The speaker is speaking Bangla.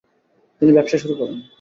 তিনি ব্যবসা শুরু করেন।